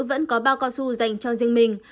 vẫn có bao cao su dành cho riêng mình